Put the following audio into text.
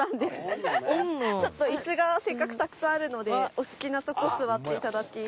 ちょっと椅子がせっかくたくさんあるのでお好きなとこ座って頂き。